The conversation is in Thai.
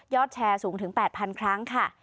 ยอดแชร์สูงถึง๘๐๐๐ครั้ง